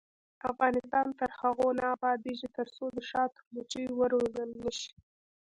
افغانستان تر هغو نه ابادیږي، ترڅو د شاتو مچۍ وروزل نشي.